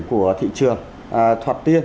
của thị trường thuật tiên